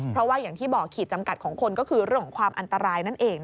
เพราะว่าอย่างที่บอกขีดจำกัดของคนก็คือเรื่องของความอันตรายนั่นเอง